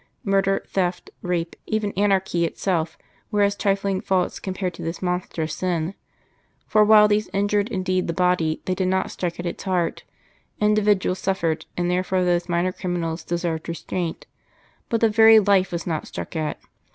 Murder, theft, rape, even anarchy itself, were as trifling faults compared to this monstrous sin, for while these injured indeed the Body they did not strike at its heart individuals suffered, and therefore those minor criminals deserved restraint; but the very Life was not struck at.